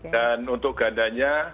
dan untuk gandanya